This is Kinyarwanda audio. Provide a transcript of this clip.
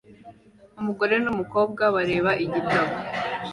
Umugore numukobwa bareba igitabo